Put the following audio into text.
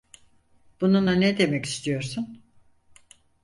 Bununla ne demek istiyorsun?